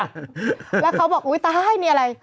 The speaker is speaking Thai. แล้วเขาบอกอุ๊ยตายนี่อะไร